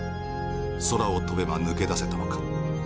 空を飛べば抜け出せたのか。